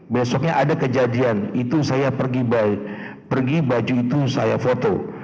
besoknya ada kejadian itu saya pergi baju itu saya foto